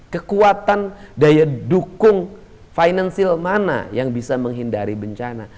kekuatan daya dukung financial mana yang bisa menghindari bencana